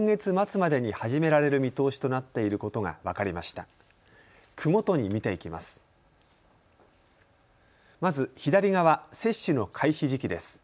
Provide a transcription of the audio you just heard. まず左側、接種の開始時期です。